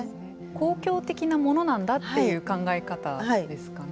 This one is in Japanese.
公共的なものなんだっていう考え方ですかね。